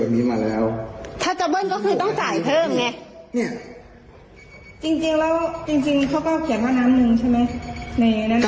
มาแล้วถ้าจะเบิ้ลก็คือต้องจ่ายเพิ่มไงเนี่ยจริงจริงแล้วจริงจริงเขาก็เขียนว่าน้ำหนึ่งใช่ไหมในนั้น